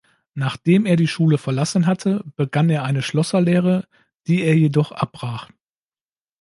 Nachdem er die Schule verlassen hatte, begann er eine Schlosserlehre, die er jedoch abbrach.